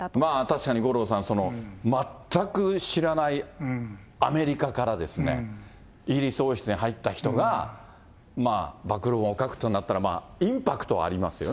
確かに五郎さん、全く知らないアメリカからですね、イギリス王室に入った人が、暴露本を書くとなったらインパクトはありますよね。